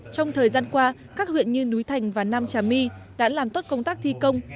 trong thời gian qua các huyện như núi thành và nam trà my đã làm tốt công tác thi công